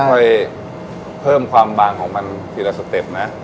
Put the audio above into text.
ค่อยเพิ่มความบางของมันทีละสเต็ปนะ